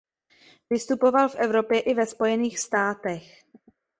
Vystupoval v Evropě i ve Spojených státech.